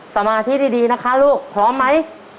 สมาธิดีนะคะลูกพร้อมไหม